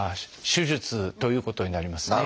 手術ということになりますね。